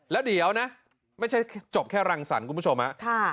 แล้วเดี๋ยวนะไม่ใช่จบแค่รังสรรค์คุณผู้ชมฮะ